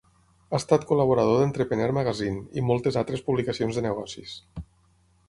Ha estat col·laborador d'"Entrepreneur Magazine", i moltes altres publicacions de negocis.